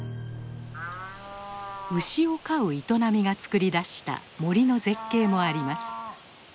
牛を飼う営みがつくり出した森の絶景もあります。